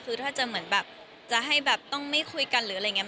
คือถ้าจะเหมือนแบบจะให้แบบต้องไม่คุยกันหรืออะไรอย่างนี้